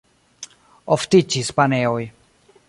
Oftiĝis paneoj.